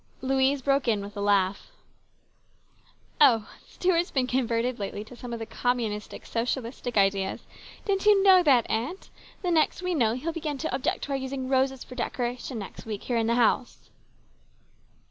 Louise broke in with a laugh. 182 HIS BROTHER'S KEEPER. " Oh, Stuart's been converted lately to some of the communistic socialistic ideas. Didn't you know that aunt? The next we know he will begin to object to our using roses for decoration next week here in the house."